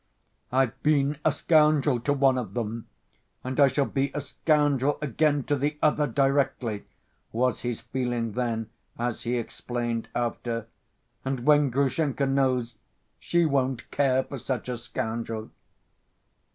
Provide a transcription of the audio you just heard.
"I've been a scoundrel to one of them, and I shall be a scoundrel again to the other directly," was his feeling then, as he explained after: "and when Grushenka knows, she won't care for such a scoundrel."